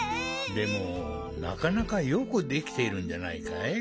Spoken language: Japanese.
でもなかなかよくできているんじゃないかい？